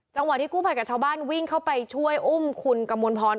ที่กู้ภัยกับชาวบ้านวิ่งเข้าไปช่วยอุ้มคุณกมลพร